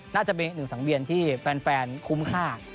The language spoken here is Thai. น่าจะเป็นอีกหนึ่งสังเวียนที่แฟนคุ้มค่า